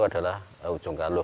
adalah ujung galuh